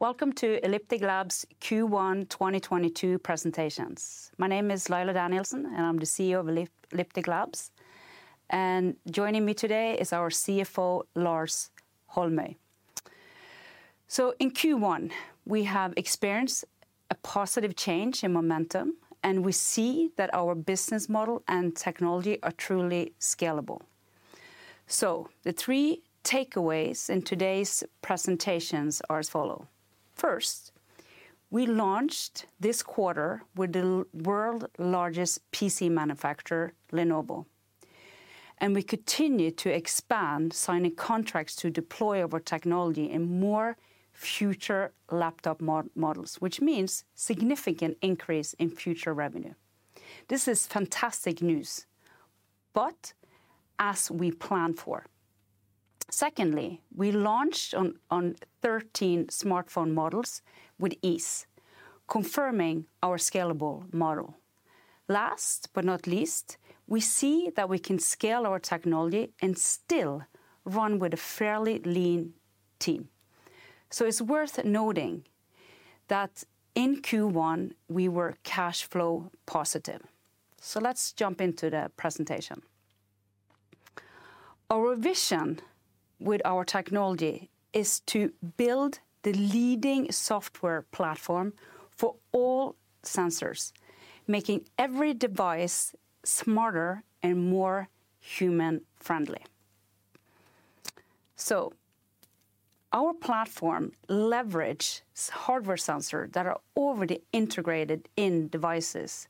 Welcome to Elliptic Labs Q1 2022 presentations. My name is Laila Danielsen, and I'm the CEO of Elliptic Labs. Joining me today is our CFO, Lars Holmøy. In Q1, we have experienced a positive change in momentum, and we see that our business model and technology are truly scalable. The three takeaways in today's presentations are as follows. First, we launched this quarter with the world's largest PC manufacturer, Lenovo, and we continue to expand signing contracts to deploy our technology in more future laptop models, which means significant increase in future revenue. This is fantastic news. Secondly, we launched on 13 smartphone models with ASUS, confirming our scalable model. Last but not least, we see that we can scale our technology and still run with a fairly lean team. It's worth noting that in Q1 we were cash flow positive. Let's jump into the presentation. Our vision with our technology is to build the leading software platform for all sensors, making every device smarter and more human-friendly. Our platform leverages hardware sensors that are already integrated in devices,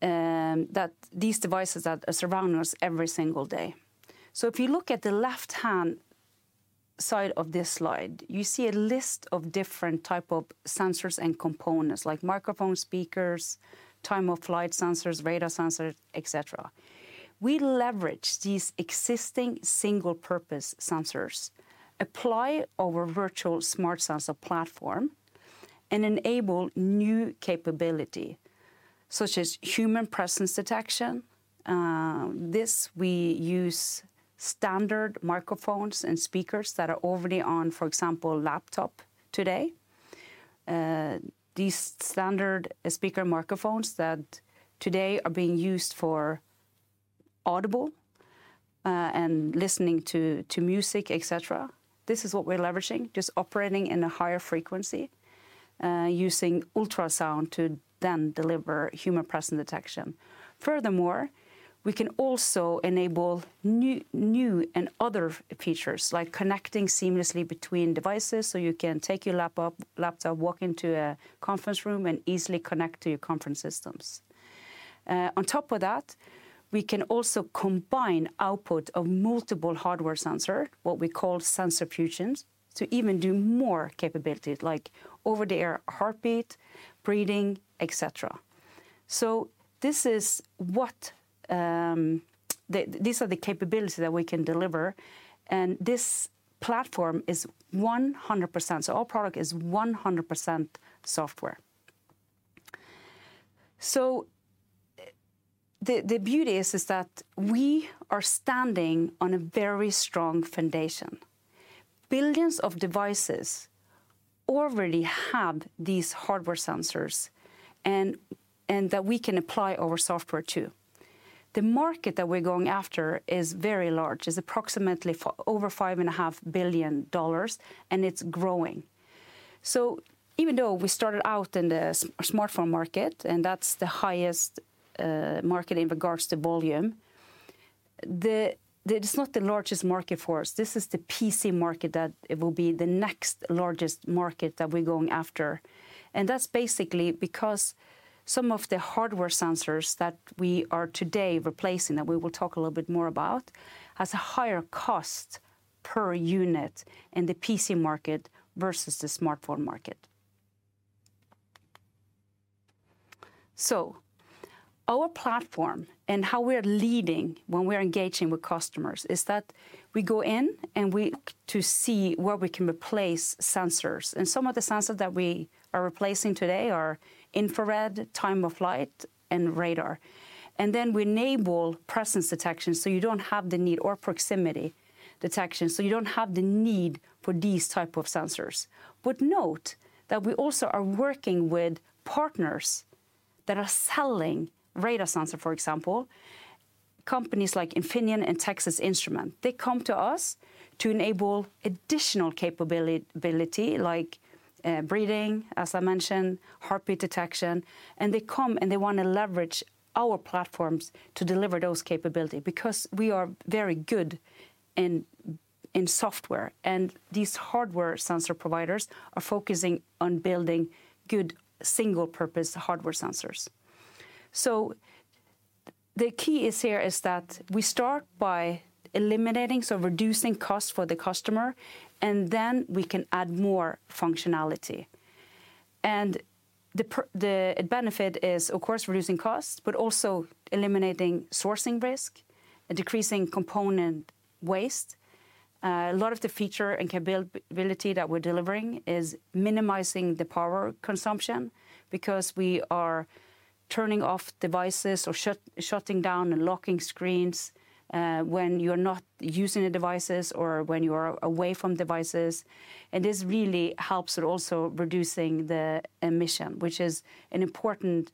these devices that are surrounding us every single day. If you look at the left-hand side of this slide, you see a list of different types of sensors and components, like microphone, speakers, time-of-flight sensors, radar sensors, et cetera. We leverage these existing single-purpose sensors, apply our Virtual Smart Sensor Platform, and enable new capabilities, such as Human Presence Detection. For this, we use standard microphones and speakers that are already on, for example, laptops today. These standard speaker microphones that today are being used for audible and listening to music, et cetera, this is what we're leveraging, just operating in a higher frequency, using ultrasound to then deliver Human Presence Detection. Furthermore, we can also enable new and other features, like connecting seamlessly between devices, so you can take your laptop, walk into a conference room and easily connect to your conference systems. On top of that, we can also combine output of multiple hardware sensor, what we call sensor fusion, to even do more capabilities like over-the-air heartbeat, breathing, et cetera. These are the capabilities that we can deliver, and this platform is 100%. Our product is 100% software. The beauty is that we are standing on a very strong foundation. Billions of devices already have these hardware sensors and that we can apply our software to. The market that we're going after is very large, it's approximately over $5.5 billion, and it's growing. Even though we started out in the smartphone market, and that's the highest market in regards to volume, it's not the largest market for us. This is the PC market that it will be the next largest market that we're going after. That's basically because some of the hardware sensors that we are today replacing, that we will talk a little bit more about, has a higher cost per unit in the PC market versus the smartphone market. Our platform and how we're leading when we're engaging with customers is that we go in and we look to see where we can replace sensors, and some of the sensors that we are replacing today are infrared, time-of-flight and radar. We enable presence detection, so you don't have the need or proximity detection, so you don't have the need for these type of sensors. Note that we also are working with partners that are selling radar sensor, for example, companies like Infineon and Texas Instruments. They come to us to enable additional capability, like, breathing, as I mentioned, heartbeat detection, and they come, and they wanna leverage our platforms to deliver those capability because we are very good in software, and these hardware sensor providers are focusing on building good single purpose hardware sensors. The key is that we start by eliminating, so reducing costs for the customer, and then we can add more functionality. The benefit is of course reducing costs, but also eliminating sourcing risk and decreasing component waste. A lot of the feature and capability that we're delivering is minimizing the power consumption because we are turning off devices or shutting down and locking screens, when you're not using the devices or when you are away from devices. This really helps with also reducing the emission, which is an important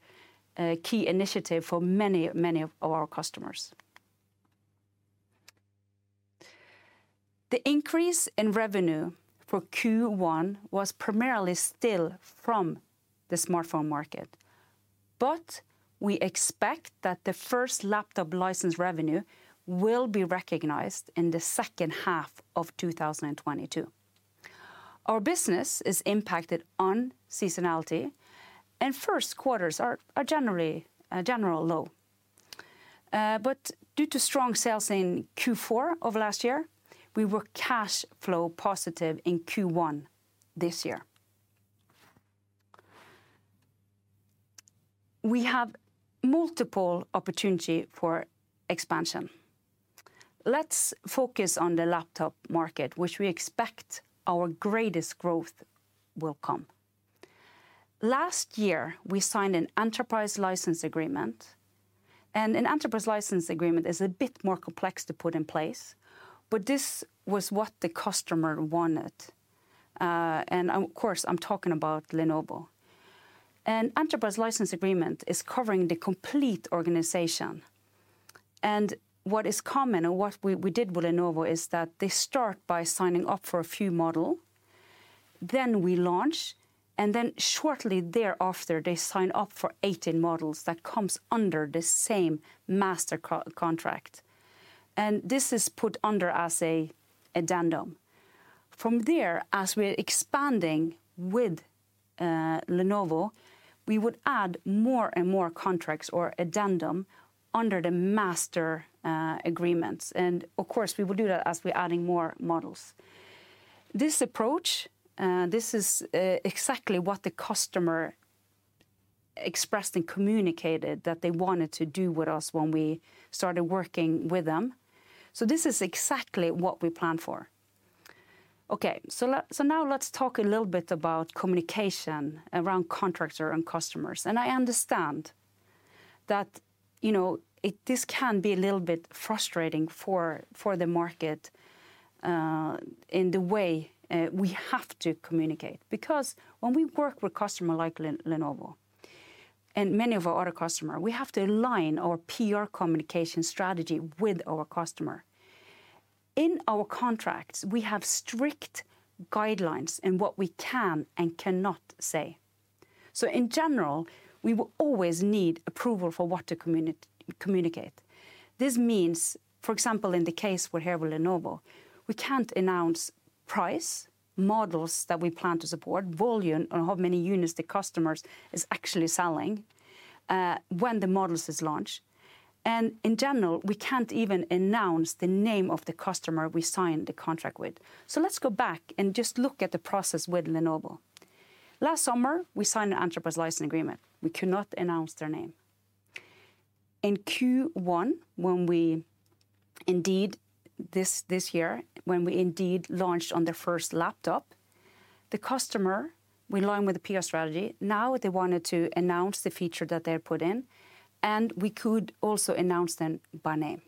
key initiative for many, many of our customers. The increase in revenue for Q1 was primarily still from the smartphone market. We expect that the first laptop license revenue will be recognized in the second half of 2022. Our business is impacted on seasonality and first quarters are generally low. Due to strong sales in Q4 of last year, we were cash flow positive in Q1 this year. We have multiple opportunity for expansion. Let's focus on the laptop market, which we expect our greatest growth will come. Last year, we signed an enterprise license agreement, and an enterprise license agreement is a bit more complex to put in place, but this was what the customer wanted. Of course, I'm talking about Lenovo. An enterprise license agreement is covering the complete organization. What is common or what we did with Lenovo is that they start by signing up for a few model, then we launch, and then shortly thereafter, they sign up for 18 models that comes under the same master contract. This is put under as an addendum. From there, as we're expanding with Lenovo, we would add more and more contracts or addendum under the master agreements. Of course, we will do that as we're adding more models. This approach, this is exactly what the customer expressed and communicated that they wanted to do with us when we started working with them. This is exactly what we planned for. Okay. Now let's talk a little bit about communication around contracts or on customers. I understand that, you know, this can be a little bit frustrating for the market, in the way we have to communicate. When we work with customers like Lenovo, and many of our other customers, we have to align our PR communication strategy with our customers. In our contracts, we have strict guidelines in what we can and cannot say. In general, we will always need approval for what to communicate. This means, for example, in the case with Lenovo, we can't announce price, models that we plan to support, volume, or how many units the customer is actually selling when the models is launched. In general, we can't even announce the name of the customer we signed the contract with. Let's go back and just look at the process with Lenovo. Last summer, we signed an enterprise license agreement. We could not announce their name. In Q1 this year, when we indeed launched on their first laptop, the customer, we learned with the PR strategy, now they wanted to announce the feature that they put in, and we could also announce them by name.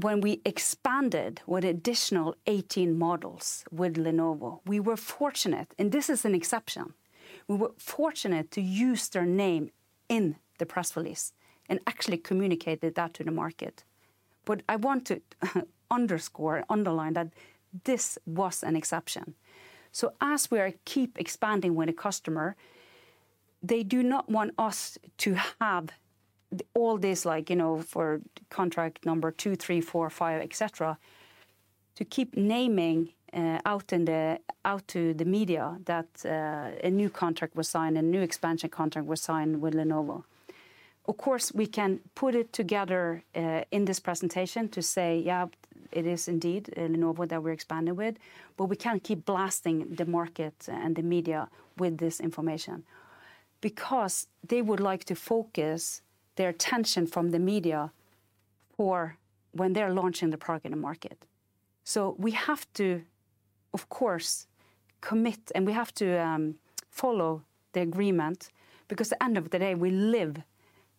When we expanded with additional 18 models with Lenovo, we were fortunate, and this is an exception. We were fortunate to use their name in the press release and actually communicated that to the market. I want to underscore, underline that this was an exception. As we are keep expanding with a customer, they do not want us to have all this, like, you know, for contract number two, three, four, five, etc., to keep naming out to the media that a new contract was signed and new expansion contract was signed with Lenovo. Of course, we can put it together in this presentation to say, "Yeah, it is indeed Lenovo that we're expanding with," but we can't keep blasting the market and the media with this information because they would like to focus their attention away from the media for when they're launching the product in the market. We have to, of course, commit, and we have to follow the agreement because at the end of the day, we live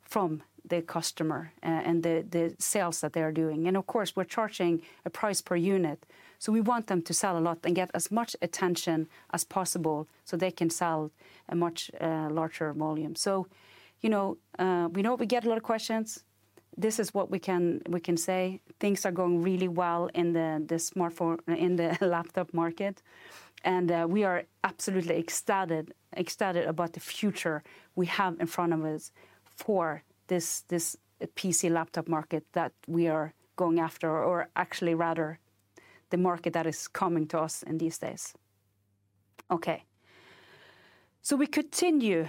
from the customer and the sales that they are doing. Of course, we're charging a price per unit, so we want them to sell a lot and get as much attention as possible so they can sell a much larger volume. You know, we know we get a lot of questions. This is what we can say. Things are going really well in the laptop market, and we are absolutely ecstatic about the future we have in front of us for this PC laptop market that we are going after or actually rather the market that is coming to us in these days. Okay. We continue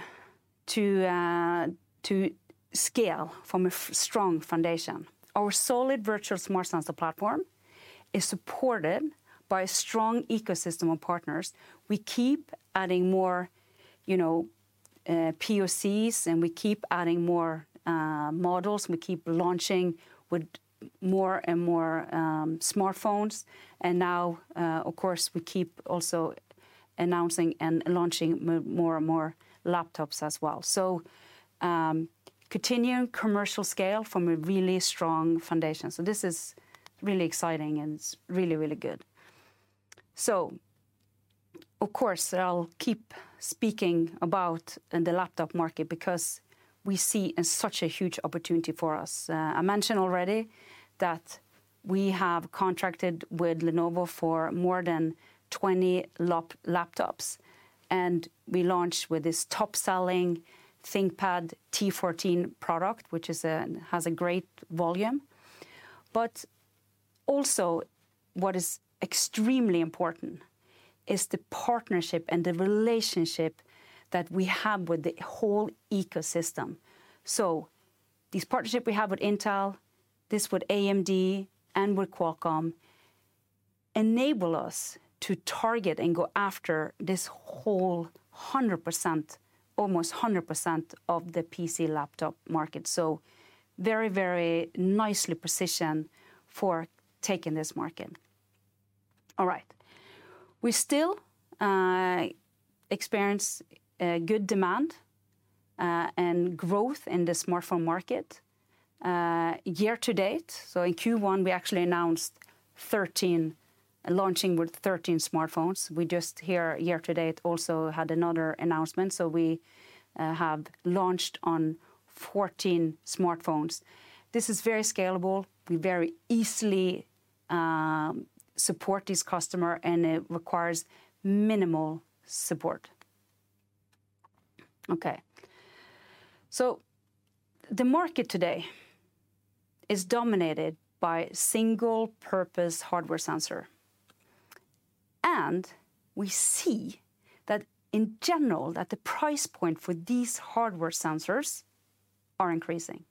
to scale from a strong foundation. Our solid Virtual Smart Sensor Platform is supported by a strong ecosystem of partners. We keep adding more POCs, and we keep adding more models. We keep launching with more and more smartphones. Now, of course, we keep also announcing and launching more and more laptops as well. Continuing commercial scale from a really strong foundation. This is really exciting and it's really, really good. Of course, I'll keep speaking about in the laptop market because we see such a huge opportunity for us. I mentioned already that we have contracted with Lenovo for more than 20 laptops, and we launched with this top-selling ThinkPad T14 product, which has a great volume. Also what is extremely important is the partnership and the relationship that we have with the whole ecosystem. This partnership we have with Intel, this with AMD, and with Qualcomm, enable us to target and go after this whole 100%, almost 100% of the PC laptop market. Very, very nicely positioned for taking this market. All right. We still experience good demand and growth in the smartphone market year to date. In Q1, we actually announced launching with 13 smartphones. We just this year to date also had another announcement, so we have launched on 14 smartphones. This is very scalable. We very easily support this customer, and it requires minimal support. Okay. The market today is dominated by single-purpose hardware sensor. We see that in general that the price point for these hardware sensors are increasing.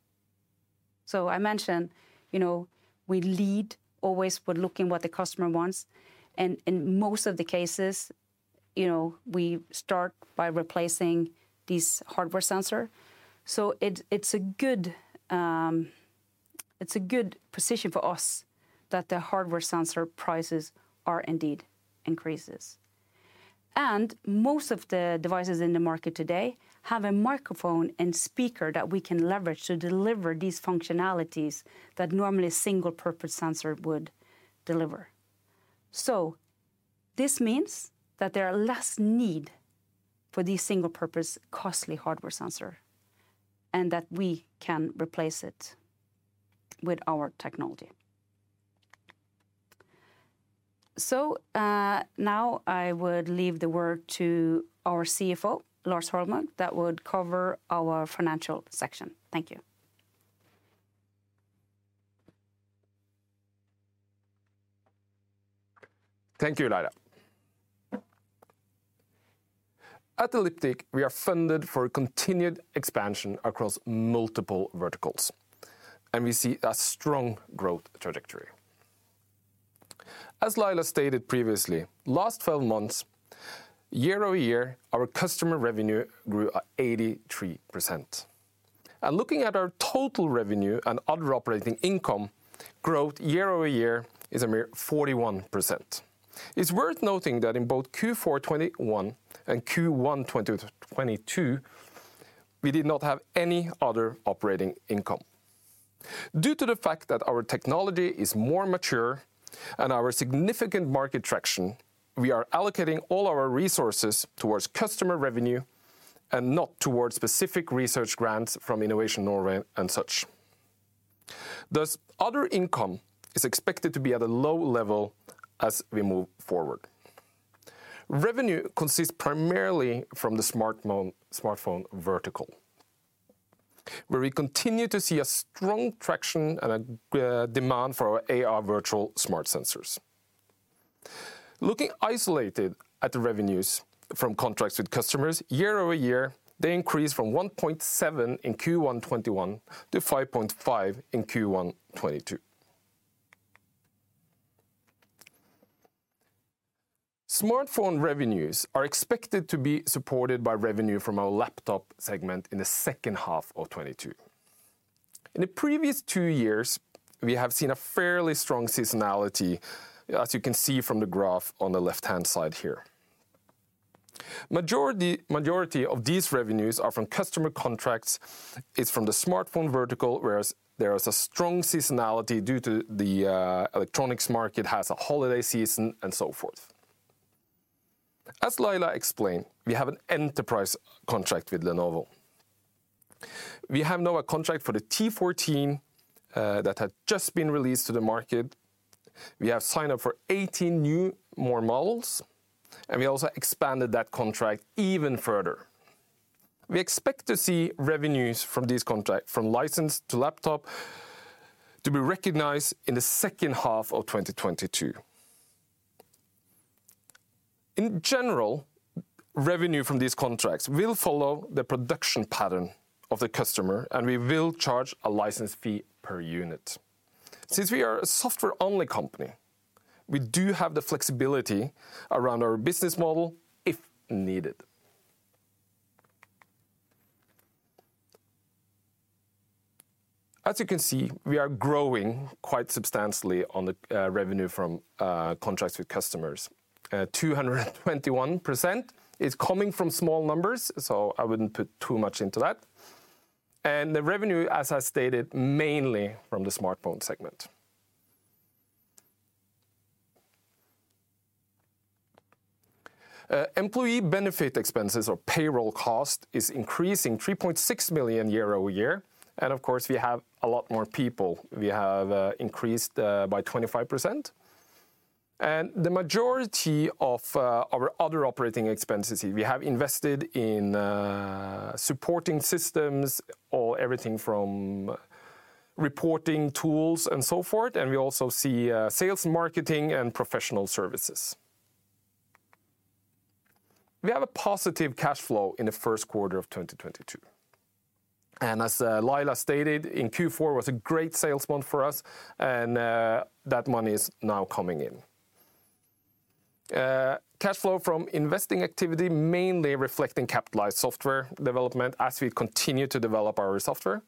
I mentioned, you know, we lead always with looking what the customer wants. In most of the cases, you know, we start by replacing this hardware sensor. It’s a good position for us that the hardware sensor prices are indeed increasing. Most of the devices in the market today have a microphone and speaker that we can leverage to deliver these functionalities that normally a single-purpose sensor would deliver. This means that there are less need for these single-purpose, costly hardware sensor, and that we can replace it with our technology. Now I would leave the word to our CFO, Lars Holmøy, that would cover our financial section. Thank you. Thank you, Laila. At Elliptic, we are funded for continued expansion across multiple verticals, and we see a strong growth trajectory. As Laila stated previously, last 12 months, year-over-year, our customer revenue grew at 83%. Looking at our total revenue and other operating income growth year-over-year is a mere 41%. It's worth noting that in both Q4 2021 and Q1 2022, we did not have any other operating income. Due to the fact that our technology is more mature and our significant market traction, we are allocating all our resources towards customer revenue and not towards specific research grants from Innovation Norway and such. Thus, other income is expected to be at a low level as we move forward. Revenue consists primarily from the smartphone vertical, where we continue to see a strong traction and a demand for our AI Virtual Smart Sensor Platform. Looking isolated at the revenues from contracts with customers year-over-year, they increased from 1.7 million in Q1 2021 to 5.5 million in Q1 2022. Smartphone revenues are expected to be supported by revenue from our laptop segment in the second half of 2022. In the previous two years, we have seen a fairly strong seasonality, as you can see from the graph on the left-hand side here. Majority of these revenues are from customer contracts. It's from the smartphone vertical, whereas there is a strong seasonality due to the electronics market has a holiday season and so forth. As Laila explained, we have an enterprise contract with Lenovo. We have now a contract for the T14 that had just been released to the market. We have signed up for 18 new more models, and we also expanded that contract even further. We expect to see revenues from this contract, from license to laptop, to be recognized in the second half of 2022. In general, revenue from these contracts will follow the production pattern of the customer, and we will charge a license fee per unit. Since we are a software-only company, we do have the flexibility around our business model if needed. As you can see, we are growing quite substantially on the revenue from contracts with customers. 221% is coming from small numbers, so I wouldn't put too much into that. The revenue, as I stated, mainly from the smartphone segment. Employee benefit expenses or payroll cost is increasing 3.6 million year-over-year. Of course, we have a lot more people. We have increased by 25%. The majority of our other operating expenses here, we have invested in supporting systems, or everything from reporting tools and so forth, and we also see sales, marketing, and professional services. We have a positive cash flow in the first quarter of 2022. As Laila stated, in Q4 was a great sales month for us, and that money is now coming in. Cash flow from investing activity mainly reflecting capitalized software development as we continue to develop our software.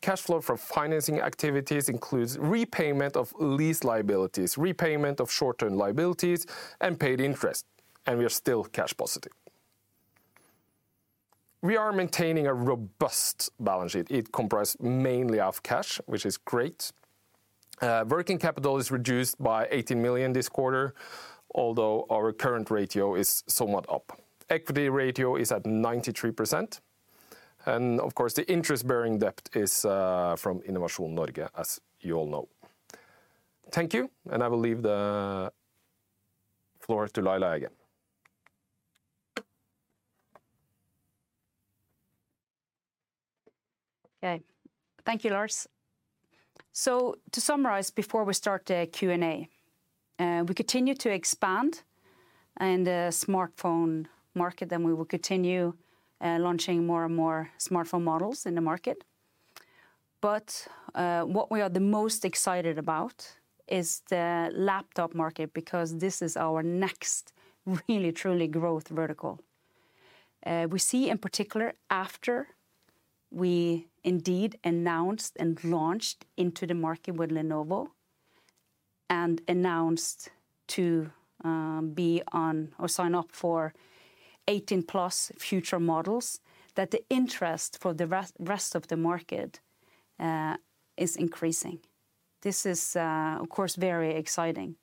Cash flow from financing activities includes repayment of lease liabilities, repayment of short-term liabilities, and paid interest, and we are still cash positive. We are maintaining a robust balance sheet. It comprise mainly of cash, which is great. Working capital is reduced by 80 million this quarter, although our current ratio is somewhat up. Equity ratio is at 93%. Of course, the interest-bearing debt is from Innovation Norway, as you all know. Thank you, and I will leave the floor to Laila again. Okay. Thank you, Lars. To summarize, before we start the Q&A, we continue to expand in the smartphone market, and we will continue launching more and more smartphone models in the market. What we are the most excited about is the laptop market, because this is our next really truly growth vertical. We see in particular after we indeed announced and launched into the market with Lenovo and announced to be on or sign up for 18+ future models, that the interest for the rest of the market is increasing. This is, of course very exciting.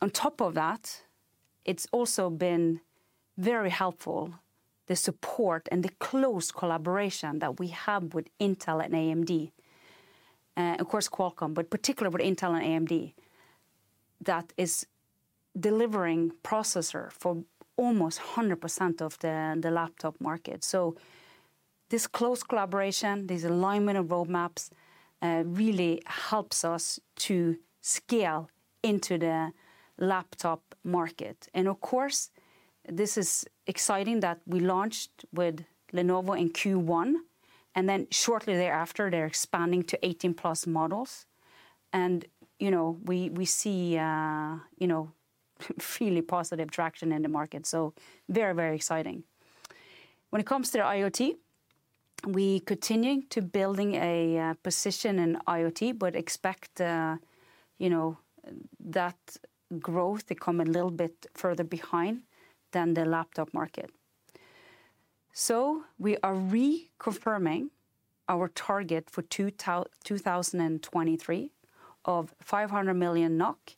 On top of that, it's also been very helpful, the support and the close collaboration that we have with Intel and AMD, of course Qualcomm, but particularly with Intel and AMD, that is delivering processor for almost 100% of the laptop market. This close collaboration, this alignment of roadmaps, really helps us to scale into the laptop market. Of course, this is exciting that we launched with Lenovo in Q1, and then shortly thereafter, they're expanding to 18+ models. You know, we see, you know, really positive traction in the market, so very, very exciting. When it comes to IoT, we continue to building a position in IoT, but expect, you know, that growth to come a little bit further behind than the laptop market. We are reconfirming our target for 2023 of 500 million NOK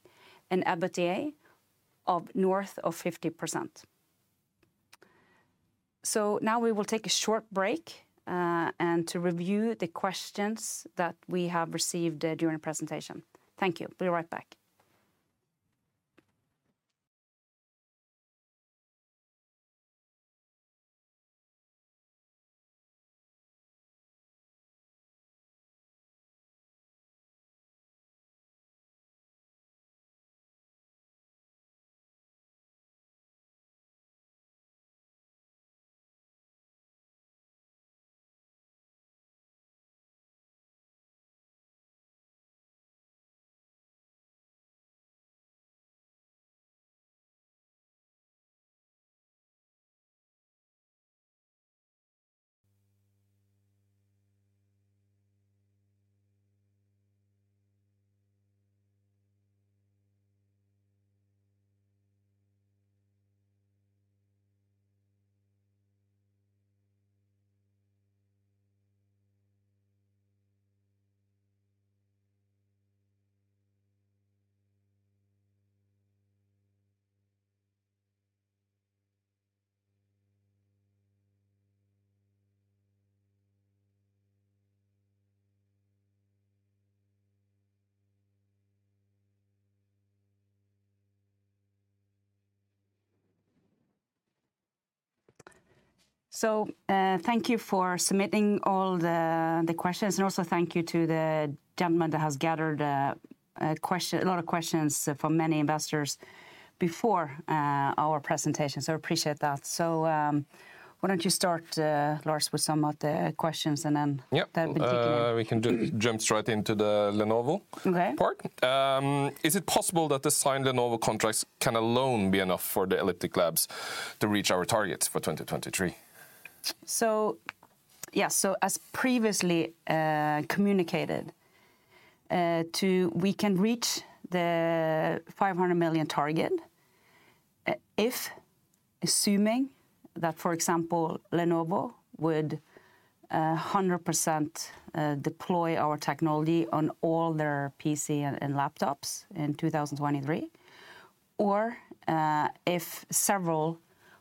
and EBITDA of north of 50%. Now we will take a short break and to review the questions that we have received during the presentation. Thank you. Be right back. Thank you for submitting all the questions, and also thank you to the gentleman that has gathered a lot of questions from many investors before our presentation, so appreciate that. Why don't you start, Lars, with some of the questions, and then, that have been ticking in. We can jump straight into the Lenovo part. Is it possible that the signed Lenovo contracts can alone be enough for Elliptic Labs to reach our target for 2023? As previously communicated, we can reach the 500 million target, if assuming that, for example, Lenovo would 100% deploy our technology on all their PC and laptops in 2023, or if several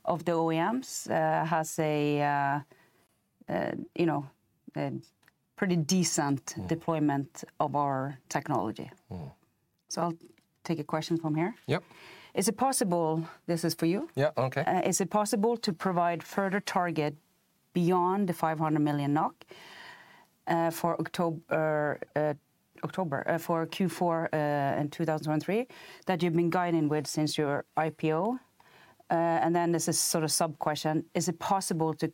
of the OEMs has a, you know, a pretty decent deployment of our technology. Mm. I'll take a question from here. Yep. Is it possible? This is for you. Yeah. Okay. Is it possible to provide further target beyond 500 million NOK for October for Q4 in 2023 that you've been guiding with since your IPO? As a sort of sub-question, is it possible to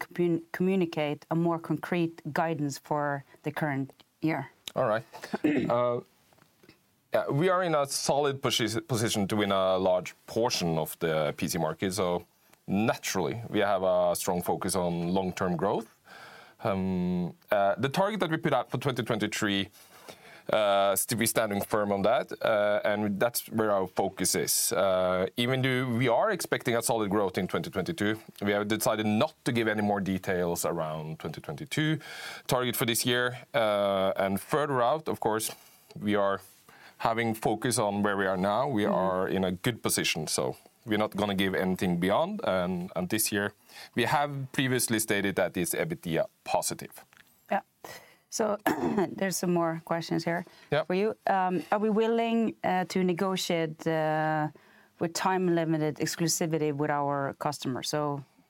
communicate a more concrete guidance for the current year? All right. Yeah, we are in a solid position to win a large portion of the PC market, so naturally we have a strong focus on long-term growth. The target that we put out for 2023, still we're standing firm on that. That's where our focus is. Even though we are expecting a solid growth in 2022, we have decided not to give any more details around 2022 target for this year. Further out, of course, we are having focus on where we are now. We are in a good position, so we're not gonna give anything beyond. This year we have previously stated that it is EBITDA positive. Yeah. There's some more questions here. Yeah. For you. Are we willing to negotiate with time-limited exclusivity with our customers?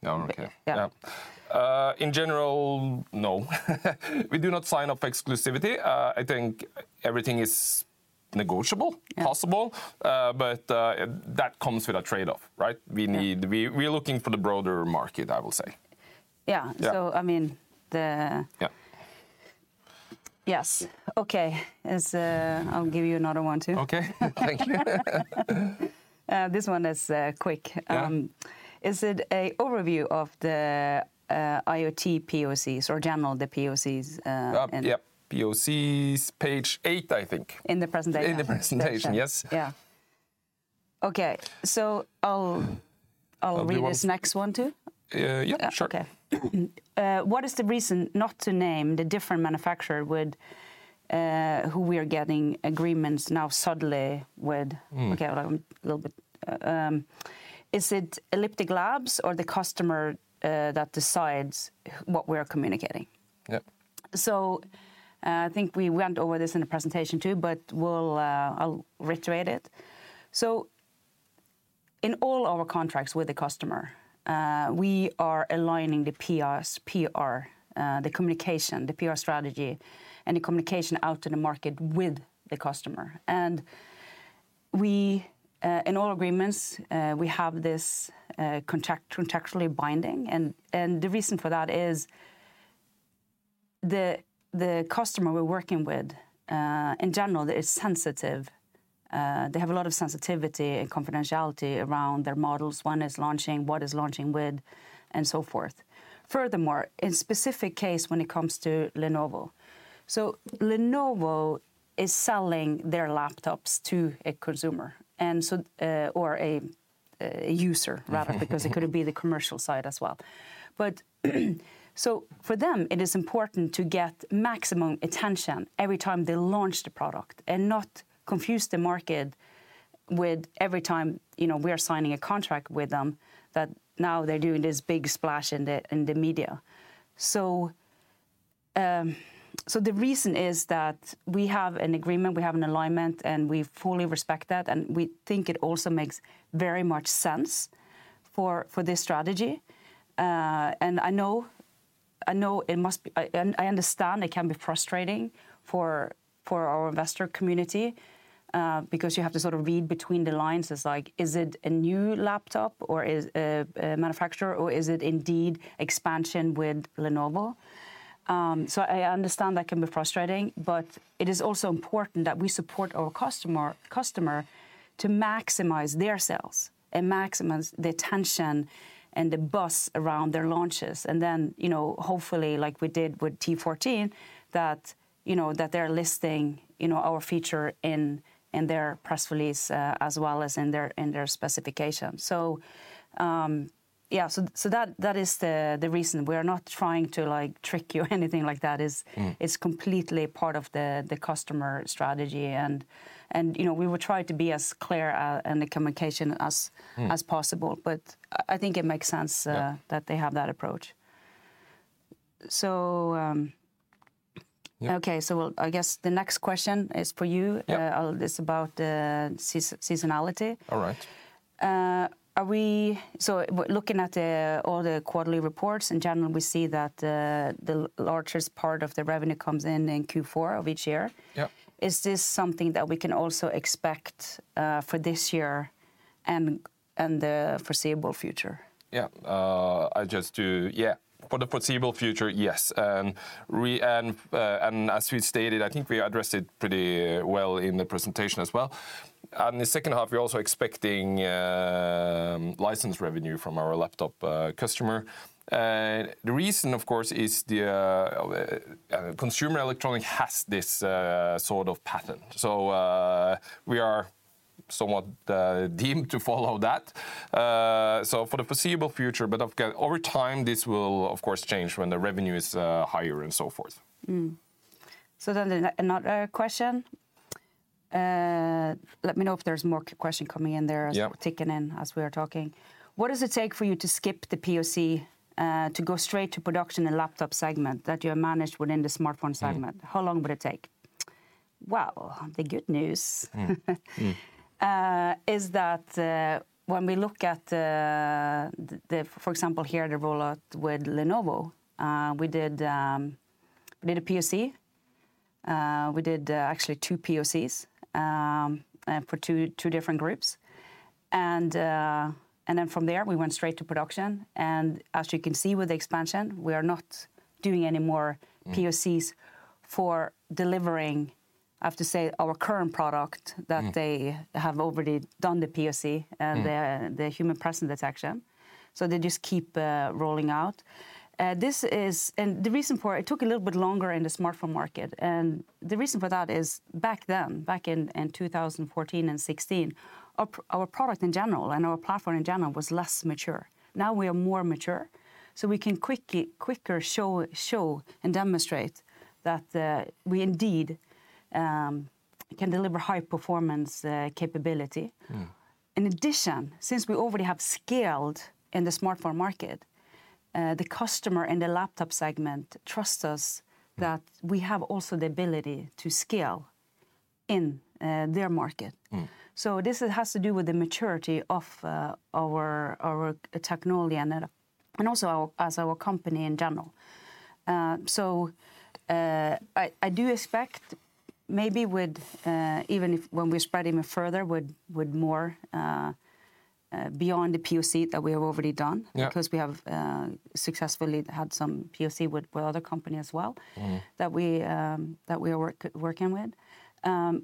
Okay. Yeah. Yeah. In general, no. We do not sign up exclusivity. I think everything is negotiable. Yeah. Possible. That comes with a trade-off, right? We need. We're looking for the broader market, I will say. Yeah. Yeah. I mean. Yeah. Yes. Okay. I'll give you another one too. Okay. Thank you. This one is quick. Yeah. Is it a overview of the IoT POCs or generally the POCs? Yep, POCs, page eight, I think. In the presentation. In the presentation. There it is. Yes. Yeah. Okay. I'll read. And we will. This next one too? Yeah, sure. Yeah, okay. What is the reason not to name the different manufacturer with who we are getting agreements now suddenly with? Mm. Okay, hold on a little bit. Is it Elliptic Labs or the customer that decides what we are communicating? Yep. I think we went over this in the presentation too, but I'll reiterate it. In all our contracts with the customer, we are aligning the PR, the communication, the PR strategy, and the communication out to the market with the customer. In all agreements, we have this contractually binding. The reason for that is the customer we're working with, in general they're sensitive. They have a lot of sensitivity and confidentiality around their models. When is launching, what is launching with, and so forth. Furthermore, in specific case when it comes to Lenovo. Lenovo is selling their laptops to a consumer or a user rather, because it could be the commercial side as well. For them it is important to get maximum attention every time they launch the product and not confuse the market with every time, you know, we are signing a contract with them that now they're doing this big splash in the media. The reason is that we have an agreement, we have an alignment, and we fully respect that, and we think it also makes very much sense for this strategy. I know it must be I understand it can be frustrating for our investor community, because you have to sort of read between the lines as like is it a new laptop or is a manufacturer or is it indeed expansion with Lenovo? I understand that can be frustrating, but it is also important that we support our customer to maximize their sales and maximize the attention and the buzz around their launches. You know, hopefully, like we did with T14, you know, that they're listing, you know, our feature in their press release, as well as in their specifications. That is the reason. We are not trying to, like, trick you or anything like that. It's completely part of the customer strategy. You know, we will try to be as clear in the communication as possible. I think it makes sense that they have that approach. Yeah. Okay. Well, I guess the next question is for you. Yeah. It's about the seasonality. All right. We're looking at all the quarterly reports. In general, we see that the largest part of the revenue comes in Q4 of each year. Yeah. Is this something that we can also expect for this year and the foreseeable future? Yeah. For the foreseeable future, yes. As we stated, I think we addressed it pretty well in the presentation as well. The second half, we're also expecting license revenue from our laptop customer. The reason of course is the consumer electronics has this sort of pattern. We are somewhat doomed to follow that so for the foreseeable future. Again, over time, this will of course change when the revenue is higher and so forth. Another question. Let me know if there's more question coming in there. Yeah As we're checking in, as we are talking. "What does it take for you to skip the POC to go straight to production in laptop segment that you have managed within the smartphone segment? How long would it take?" Wow. The good news. Mm. That's when we look at, for example, the rollout with Lenovo, we did a POC. We did actually two POCs for two different groups. Then from there we went straight to production and as you can see with the expansion, we are not doing any more. Yeah POCs for delivering, I have to say, our current product that they have already done the POC, Yeah. The Human Presence Detection, so they just keep rolling out. This is the reason for it. It took a little bit longer in the smartphone market, and the reason for that is back then, back in 2014 and 2016, our product in general and our platform in general was less mature. Now we are more mature, so we can quicker show and demonstrate that we indeed can deliver high performance capability. Mm. In addition, since we already have scaled in the smartphone market, the customer in the laptop segment trusts us that we have also the ability to scale in their market. Mm. This has to do with the maturity of our technology and also as our company in general. I do expect maybe even if when we spread even further with more beyond the POC that we have already done because we have successfully had some POC with other company as well. That we are working with,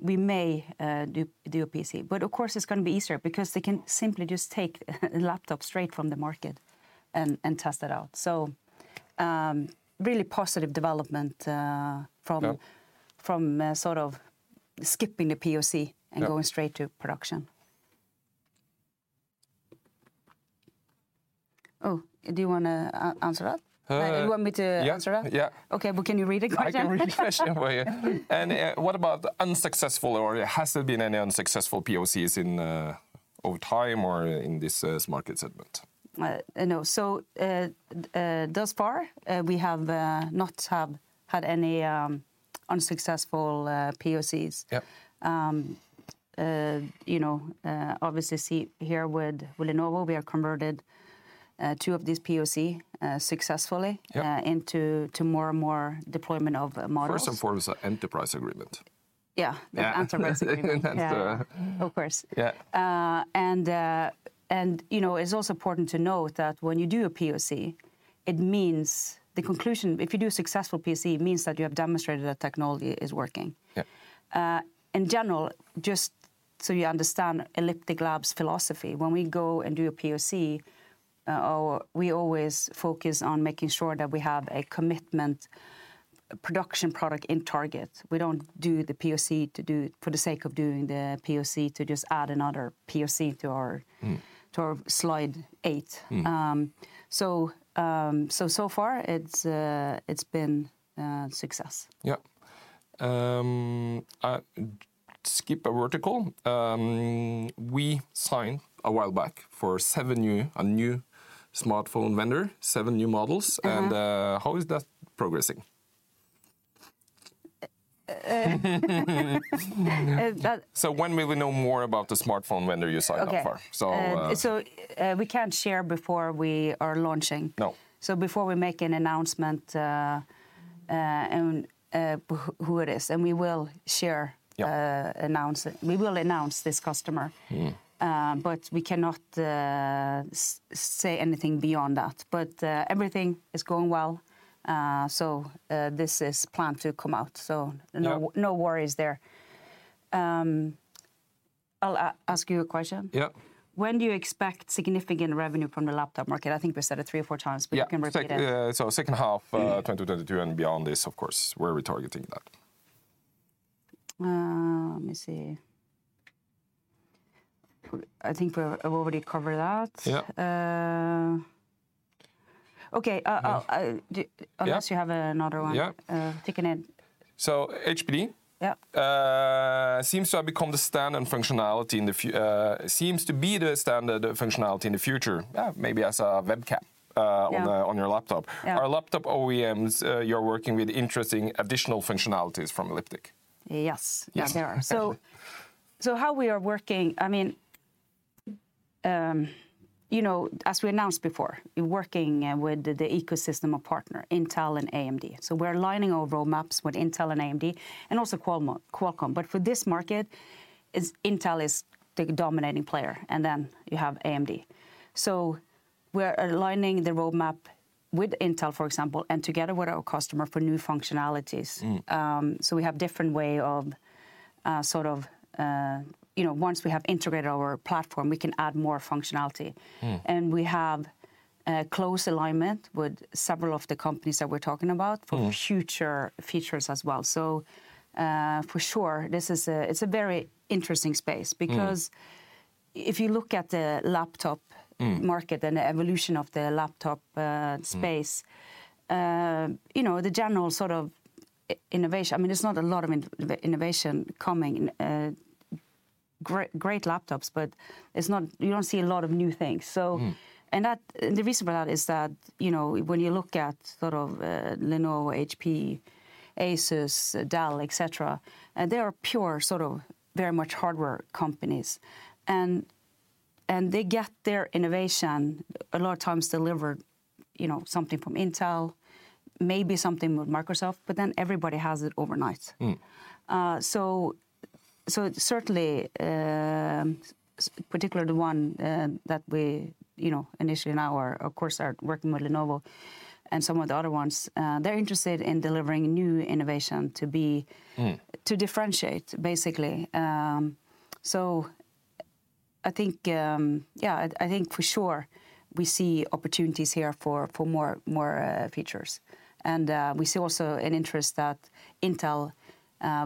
we may do a POC. Of course it's gonna be easier because they can simply just take a laptop straight from the market and test it out. Really positive development from sort of skipping the POC going straight to production. Oh, do you wanna answer that? Uh. You want me to answer that? Yeah. Yeah. Okay. Well, can you read the question? I can read the question for you. What about unsuccessful or has there been any unsuccessful POCs in, over time or in this market segment? No. Thus far, we have not had any unsuccessful POCs. Yeah. You know, obviously see here with Lenovo, we have converted two of these POC successfully into more and more deployment of models. First and foremost, the enterprise agreement. Yeah. Yeah. The enterprise agreement. Yeah. That's the. Of course. Yeah. You know, it's also important to note that when you do a POC, it means the conclusion. If you do a successful POC, it means that you have demonstrated that technology is working. Yeah. In general, just so you understand Elliptic Labs' philosophy, when we go and do a POC, we always focus on making sure that we have a commitment production product in target. We don't do the POC for the sake of doing the POC to just add another POC to our to our slide 8. Mm. So far it's been success. Yeah. We signed a while back for a new smartphone vendor, seven new models. Mm-hmm. How is that progressing? Uh... Uh, that. When will we know more about the smartphone vendor you signed up for? Okay. We can't share before we are launching. No. Before we make an announcement on who it is, and we will share. Yeah. We will announce this customer. Mm. We cannot say anything beyond that. Everything is going well. This is planned to come out, so no worries there. I'll ask you a question. Yeah. When do you expect significant revenue from the laptop market? I think we said it three or four times. Yeah. You can repeat it. Second half 2022 and beyond. This, of course, we're retargeting that. Let me see. I think we've already covered that. Yeah. Okay. Unless you have another one. Yeah. Ticking in. So HPD seems to be the standard functionality in the future, maybe as a webcam on your laptop. Yeah. Are laptop OEMs, you're working with interesting additional functionalities from Elliptic? Yes. Yes. There are. Okay. How we are working, I mean, you know, as we announced before, working with the ecosystem of partner Intel and AMD. We're aligning our roadmaps with Intel and AMD, and also Qualcomm. For this market, Intel is the dominating player, and then you have AMD. We're aligning the roadmap with Intel, for example, and together with our customer for new functionalities. Mm. We have different way of, sort of, you know, once we have integrated our platform, we can add more functionality. Mm. We have a close alignment with several of the companies that we're talking about for future features as well. For sure it's a very interesting space. If you look at the laptop market and the evolution of the laptop space, you know, the general sort of innovation. I mean, there's not a lot of innovation coming. Great laptops, but it's not. You don't see a lot of new things. Mm. That the reason for that is that, you know, when you look at sort of Lenovo, HP, ASUS, Dell, et cetera, they are pure sort of very much hardware companies. They get their innovation a lot of times delivered, you know, something from Intel, maybe something with Microsoft, but then everybody has it overnight. Mm. Certainly, particularly the one that we, you know, initially now are of course working with Lenovo and some of the other ones, they're interested in delivering new innovation to be, to differentiate, basically. I think for sure we see opportunities here for more features. We see also an interest at Intel,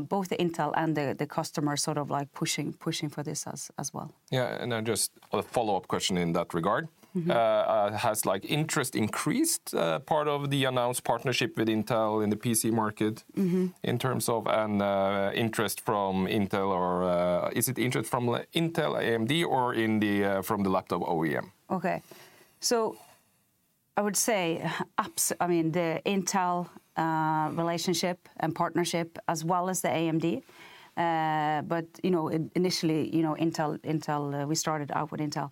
both the Intel and the customer sort of like pushing for this as well. Yeah. Just a follow-up question in that regard. Mm-hmm. Has, like, interest increased, part of the announced partnership with Intel in the PC market in terms of interest from Intel or is it interest from Intel, AMD, or from the laptop OEM? Okay. I would say, I mean, the Intel relationship and partnership as well as the AMD, but you know, initially, you know, Intel, we started out with Intel,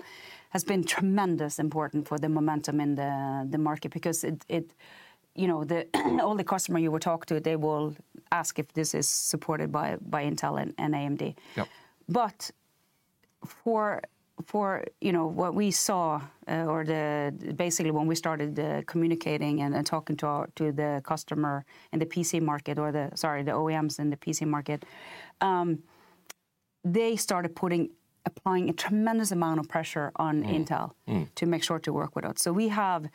has been tremendously important for the momentum in the market because it, you know, the only customer you will talk to, they will ask if this is supported by Intel and AMD. Yep. For you know what we saw or basically when we started communicating and talking to the customer in the PC market, sorry, the OEMs in the PC market, they started applying a tremendous amount of pressure on Intel to make sure to work with us. We have,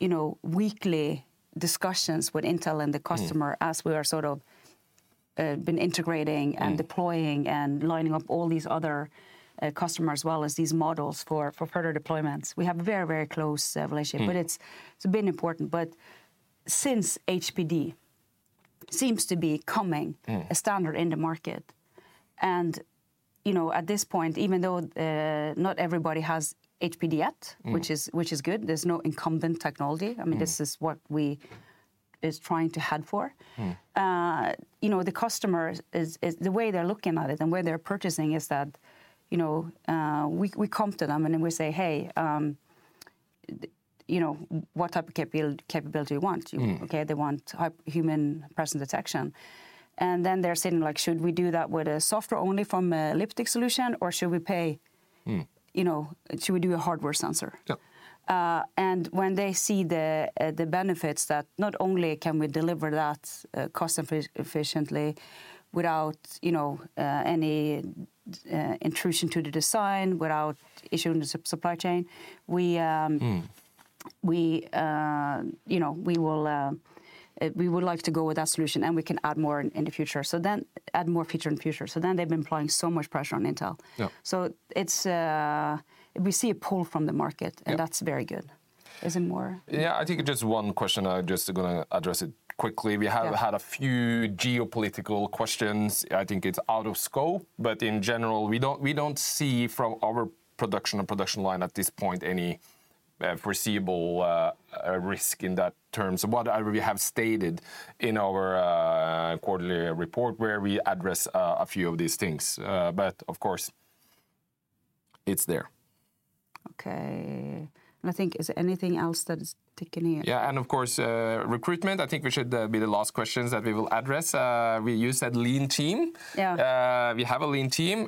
you know, weekly discussions with Intel and the customer as we are sort of been integrating deploying and lining up all these other customers as well as these models for further deployments. We have a very, very close relationship. Mm. It's been important. Since HPD seems to be becoming a standard in the market and, you know, at this point, even though not everybody has HPD yet. Which is good. There's no incumbent technology. Mm. I mean, this is what we is trying to head for. Mm. You know, the customer is the way they're looking at it and where they're purchasing is that, you know, we come to them and then we say, "Hey, you know, what type of capability you want? Mm. Okay. They want Human Presence Detection. They're saying like, "Should we do that with a software only from a Elliptic solution, or should we payou know, should we do a hardware sensor? Yeah. When they see the benefits that not only can we deliver that cost efficiently without, you know, any intrusion to the design, without using the supply chain, we, you know, we would like to go with that solution, and we can add more in the future. Add more feature in future. They've been applying so much pressure on Intel. Yeah. We see a pull from the market. Yeah. That's very good. Is it more? Yeah. I think just one question, I just gonna address it quickly. Yeah. We have had a few geopolitical questions. I think it's out of scope, but in general we don't see from our production line at this point any foreseeable risk in that terms. What I already have stated in our quarterly report where we address a few of these things. Of course it's there. Okay. I think is there anything else that is ticking here? Yeah. Of course, recruitment, I think we should be the last questions that we will address. We use that lean team. Yeah. We have a lean team.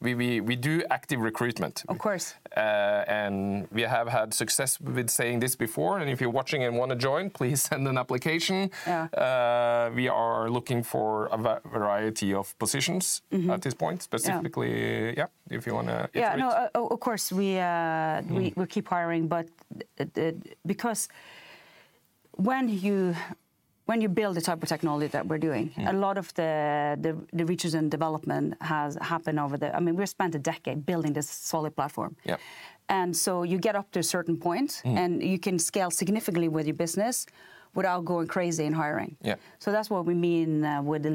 We do active recruitment. Of course. We have had success with saying this before, and if you're watching and wanna join, please send an application. Yeah. We are looking for a variety of positioat this point. Yeah. Specifically, yeah, if you wanna recruit. Yeah. No, of course, we keep hiring, but because when you build the type of technology that we're doing. Yeah. A lot of the research and development has happened over the. I mean, we spent a decade building this solid platform. Yeah. You get up to a certain point. Mm-hmm. You can scale significantly with your business without going crazy in hiring. Yeah. That's what we mean with the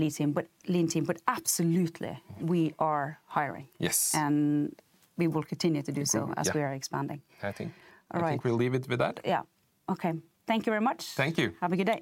lean team. Absolutely we are hiring. Yes. We will continue to do so. Mm-hmm. Yeah. As we are expanding. I think. All right. I think we'll leave it with that. Yeah. Okay. Thank you very much. Thank you. Have a good day.